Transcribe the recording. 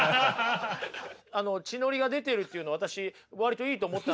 あの血のりが出てるっていうの私割といいと思ったんですけど。